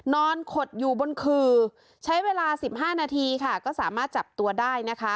ขดอยู่บนขื่อใช้เวลา๑๕นาทีค่ะก็สามารถจับตัวได้นะคะ